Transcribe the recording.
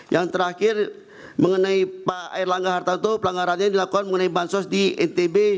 yang terakhir mengenai pak erlangga hartanto pelanggarannya dilakukan mengenai bansos di ntb